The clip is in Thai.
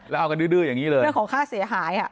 แล้วเอากันดื้ออย่างนี้เลยเรื่องของค่าเสียหาย